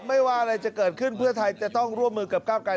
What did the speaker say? ไม่ว่าอะไรจะเกิดขึ้นเพื่อไทยจะต้องร่วมมือกับก้าวไกร